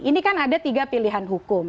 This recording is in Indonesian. ini kan ada tiga pilihan hukum